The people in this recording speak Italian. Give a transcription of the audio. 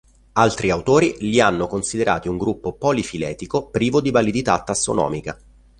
Altri autori li hanno considerati un gruppo polifiletico privo di validità tassonomica.